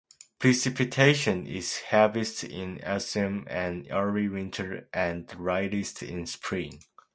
Precipitation is heaviest in autumn and early winter and lightest in spring.